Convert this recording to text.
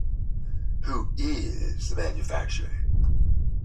Who is the manufacturer?